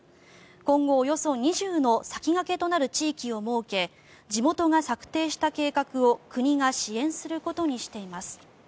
今後およそ２０の先駆けとなる地域を設け地元が策定した計画を国が支援することにしています。